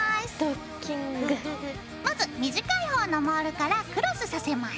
まず短い方のモールからクロスさせます。